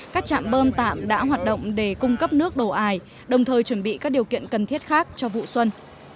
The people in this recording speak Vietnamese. các trạm bơm tạm đã hoạt động để cung cấp nước đồ ải đồng thời chuẩn bị các điều kiện cần thiết khác cho vụ xuân